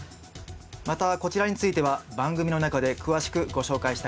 またこちらについては番組の中で詳しくご紹介したいと思います。